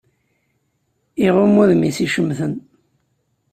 Iɣumm udem-is i icemten